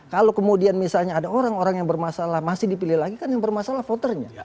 kalau kemudian misalnya ada orang orang yang bermasalah masih dipilih lagi kan yang bermasalah voternya